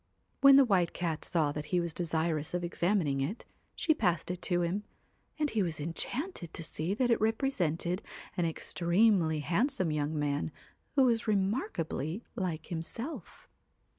When the White Cat saw that he was desirous of 211 THE examining it, she passed it to him, and he was WHITE enchanted to see that it represented an extremely CAT handsome young man who was remarkably like himself.